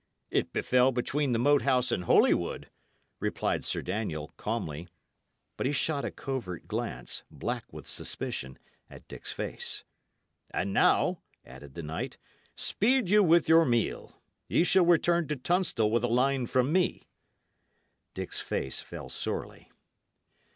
"It befell between the Moat House and Holywood," replied Sir Daniel, calmly; but he shot a covert glance, black with suspicion, at Dick's face. "And now," added the knight, "speed you with your meal; ye shall return to Tunstall with a line from me." Dick's face fell sorely.